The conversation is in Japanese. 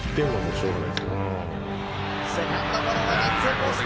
セカンドゴロはゲッツーコースだ。